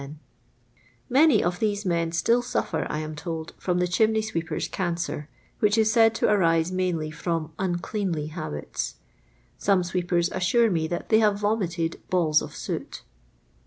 Many of these men still suffer, I am told, from the chimney sweeper's cancer, which is said to arise mainly from uncleanly habits. Some sweepers assure me that they have vomited balls of soot.